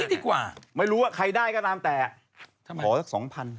ทำไมอเจมส์ขอสัก๒๐๐๐บาท